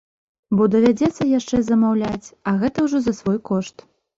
Бо давядзецца яшчэ замаўляць, а гэта ўжо за свой кошт.